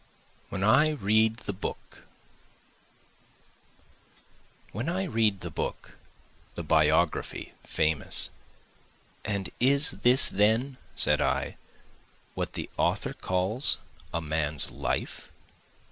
When I Read the Book When I read the book, the biography famous, And is this then (said I) what the author calls a man's life?